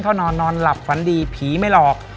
นอนนอนหลับฝันดีผีไม่หลอก